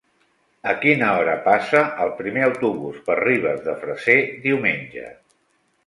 A quina hora passa el primer autobús per Ribes de Freser diumenge?